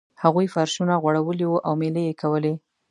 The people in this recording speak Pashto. هغوی فرشونه غوړولي وو او میلې یې کولې.